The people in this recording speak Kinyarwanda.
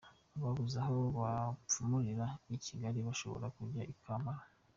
Ababuze aho bapfumurira i Kigali bashobora kujya i Kampala.